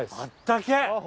あったけえ！